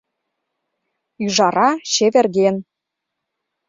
Ӱжара чеверген.